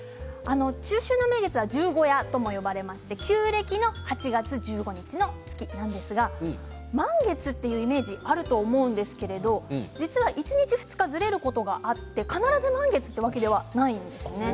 中秋の名月は十五夜とも呼ばれていまして旧暦の８月１５日の月夜なんですが満月というイメージがあると思うんですけれど実は１日、２日ずれることがあって必ず満月というわけではないんです。